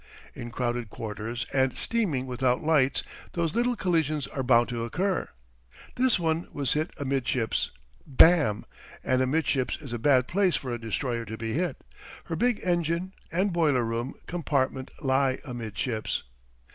In crowded quarters and steaming without lights those little collisions are bound to occur. This one was hit amidships bam! and amidships is a bad place for a destroyer to be hit her big engine and boiler room compartment lie amidships.